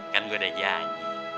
kan gue udah janji